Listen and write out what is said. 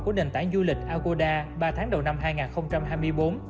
của nền tảng du lịch agoda ba tháng đầu năm hai nghìn hai mươi bốn